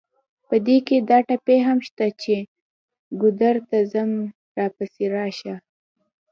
په دې کې دا ټپې هم شته چې: ګودر ته ځم راپسې راشه.